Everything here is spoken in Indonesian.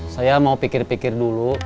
saya mau pikir pikir dulu